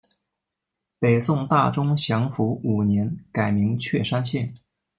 北宋大中祥符五年改名确山县。